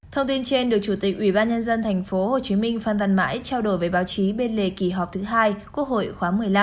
thông tin trên được chủ tịch ubnd tp hcm phan văn mãi trao đổi với báo chí bên lề kỳ họp thứ hai quốc hội khóa một mươi năm